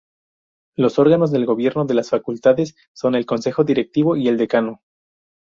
Los órganos de gobierno de las Facultades son el Consejo Directivo y el Decano.